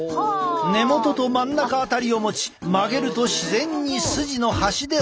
根元と真ん中辺りを持ち曲げると自然にスジの端で折れるという。